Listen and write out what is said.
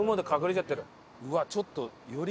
うわっちょっとより。